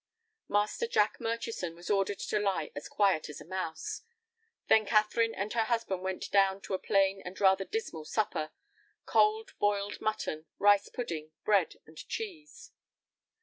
Master Jack Murchison was ordered to lie as quiet as a mouse. Then Catherine and her husband went down to a plain and rather dismal supper, cold boiled mutton, rice pudding, bread and cheese.